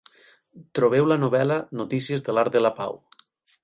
Trobeu la novel·la Notícies de l'Arc de la Pau.